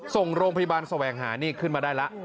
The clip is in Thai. ส่งโรงพยาบาลแสวงหานี่ขึ้นมาได้แล้ว